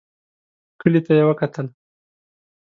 کلي ته يې وکتل.